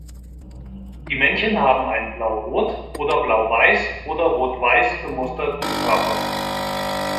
Die Männchen haben einen blau-rot oder blau-weiß oder rot-weiß gemusterten Körper.